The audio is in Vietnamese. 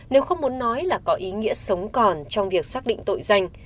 nếu không muốn nói là có ý nghĩa sống còn trong việc xác định tội danh